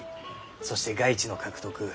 そして外地の獲得。